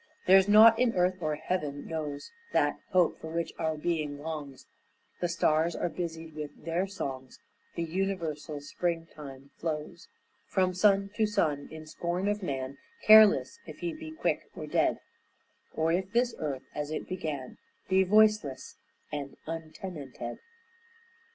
There's nought in earth or heaven knows That hope for which our being longs, The stars are busied with their songs, The universal springtime flows From sun to sun in scorn of man, Careless if he be quick or dead, Or if this earth, as it began, Be voiceless and untenanted.